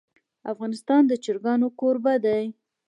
افغانستان د چرګان کوربه دی.